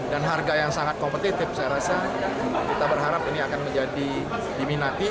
dan harga yang sangat kompetitif saya rasa kita berharap ini akan menjadi diminati